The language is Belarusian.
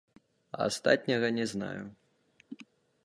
А астатняга не знаю.